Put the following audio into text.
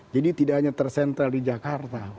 jadi tidak hanya tersentral di jakarta